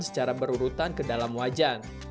secara berurutan ke dalam wajan